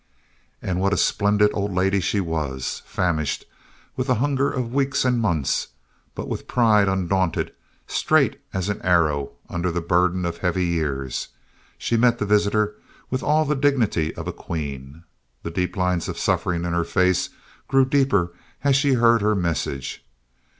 And what a splendid old lady she was! Famished with the hunger of weeks and months, but with pride undaunted, straight as an arrow under the burden of heavy years, she met the visitor with all the dignity of a queen. The deep lines of suffering in her face grew deeper as she heard her message.